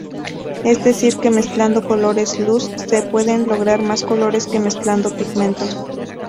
Es decir que mezclando colores luz se pueden lograr más colores que mezclando pigmentos.